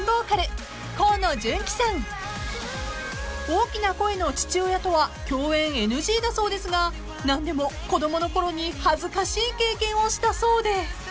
［大きな声の父親とは共演ＮＧだそうですがなんでも子供のころに恥ずかしい経験をしたそうで］